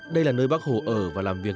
đây là nơi bác hồ ở và làm việc